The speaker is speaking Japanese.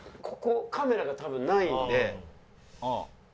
ここカメラが多分ないんで。